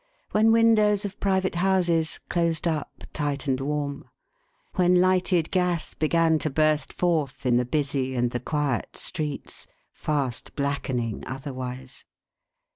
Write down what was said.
When windows of private houses closed up tight and warm. When lighted gas began to burst forth in GHOSTLY SURROUNDINGS. 421 the busy and the quiet streets fast blackening otherwise.